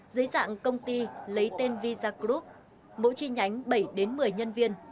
dưới dạng công ty lấy tên visa group mỗi chi nhánh bảy đến một mươi nhân viên